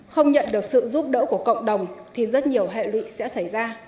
không nhận được sự giúp đỡ của cộng đồng thì rất nhiều hệ lụy sẽ xảy ra